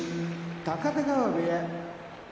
高田川部屋